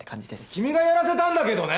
君がやらせたんだけどね！